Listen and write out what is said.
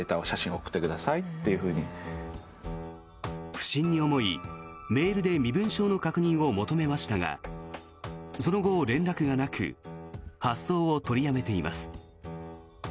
不審に思い、メールで身分証の確認を求めましたがその後、連絡がなく発送を取りやめています。